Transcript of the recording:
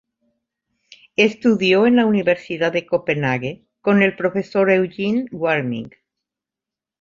Estudió en la Universidad de Copenhague con el profesor Eugen Warming.